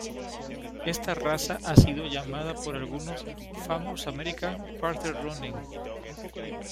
Esta "raza" ha sido llamada por algunos "Famous American Quarter Running".